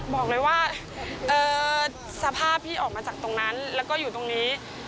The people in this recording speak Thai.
บอกเลยว่าสภาพพี่ออกมาจากตรงนั้นแล้วก็อยู่ตรงนี้